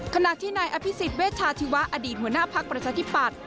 ขณะที่นายอภิษฎเวชาชีวะอดีตหัวหน้าพักประชาธิปัตย